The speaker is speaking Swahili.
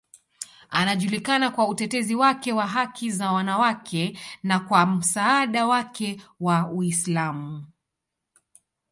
Anajulikana kwa utetezi wake wa haki za wanawake na kwa msaada wake wa Uislamu.